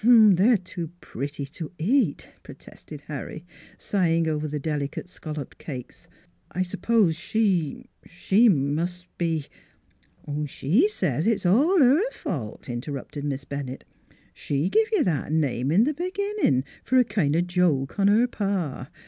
' 4 They are too pretty to eat," protested Harry, sighing over the delicate scalloped cakes. " I suppose she she must be :" NEIGHBORS 325 " She says it's all her fault," interrupted Miss Bennett. "She give you that, name in th' be ginnin' fer a kind of a joke on her pa.